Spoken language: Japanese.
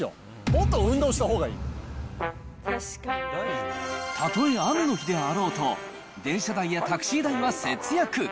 もっと運動したたとえ雨の日であろうと、電車代やタクシー代は節約。